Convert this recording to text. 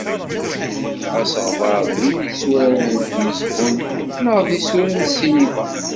Asegbar d win yetturaren deg umezgun neɣ deg isura n ssinima.